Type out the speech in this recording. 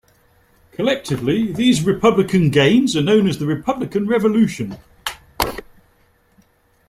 Collectively, these Republican gains are known as the Republican Revolution.